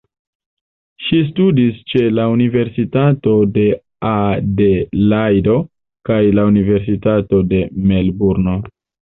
Ŝi studis ĉe la universitato de Adelajdo kaj la universitato de Melburno.